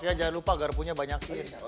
jangan lupa garpunya banyak